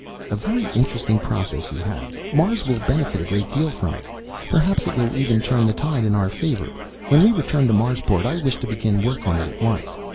"A very interesting process you have. Mars will benefit a great deal from it. Perhaps it will even turn the tide in our favor. When we return to Marsport I wish to begin work on it at once.